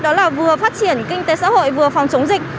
đó là vừa phát triển kinh tế xã hội vừa phòng chống dịch